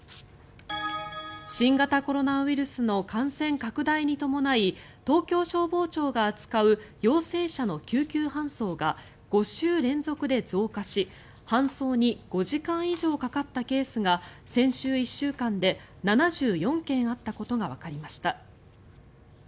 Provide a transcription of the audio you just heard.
新型コロナウイルスの感染拡大に伴い東京消防庁が扱う陽性者の救急搬送が５週連続で増加し、搬送に５時間以上かかったケースが先週１週間で７４件あったことがわかりました。